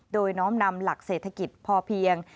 โดยน้อมนำหลักเศรษฐกิจพอเพียง